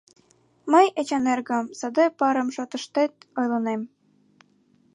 Мый, Эчан эргым, саде парым шотыштет ойлынем...